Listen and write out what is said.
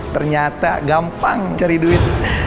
ternyata gampang cari duit